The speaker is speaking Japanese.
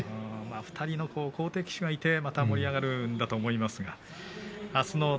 ２人の好敵手がいて盛り上がると思いますが。